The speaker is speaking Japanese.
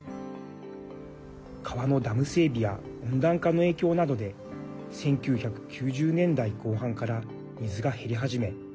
川のダム整備や温暖化の影響などで１９９０年代後半から水が減り始め